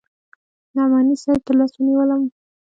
نعماني صاحب تر لاس ونيولم.